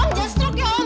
om jangan strok ya om